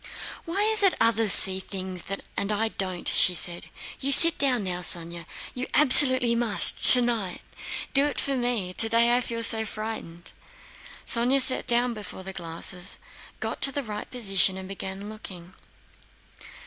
"Why is it others see things and I don't?" she said. "You sit down now, Sónya. You absolutely must, tonight! Do it for me.... Today I feel so frightened!" Sónya sat down before the glasses, got the right position, and began looking.